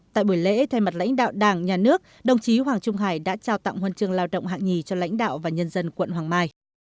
tại buổi lễ thay mặt lãnh đạo đảng nhà nước đồng chí hoàng trung hải đã trao tặng huân chương lao động hạng nhì cho lãnh đạo và nhân dân quận hoàng mai